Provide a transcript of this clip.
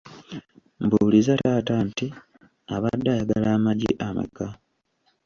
Mbuuliza taata nti abadde ayagala amagi ameka?